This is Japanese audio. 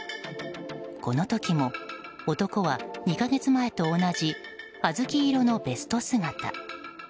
この時も、男は２か月前と同じあずき色のベスト姿。